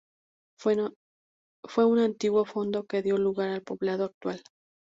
Fue un antiguo fundo que dio lugar al poblado actual.